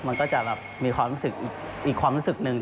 มันก็จะแบบมีความรู้สึกอีกความรู้สึกหนึ่ง